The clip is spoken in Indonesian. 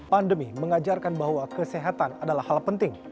pandemi mengajarkan bahwa kesehatan adalah hal penting